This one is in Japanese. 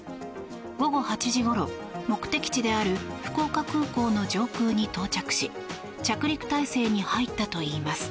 午後８時ごろ、目的地である福岡空港の上空に到着し着陸態勢に入ったといいます。